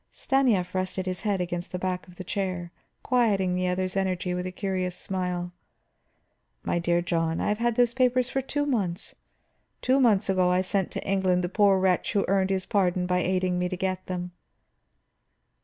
Stanief rested his head against the back of the chair, quieting the other's energy with a curious smile. "My dear John, I have had those papers for two months; two months ago I sent to England the poor wretch who earned his pardon by aiding me to get them."